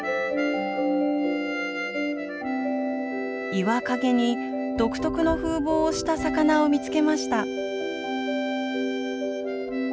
岩陰に独特の風貌をした魚を見つけました。